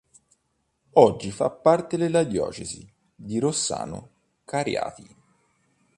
Oggi fa parte della diocesi di Rossano Cariati.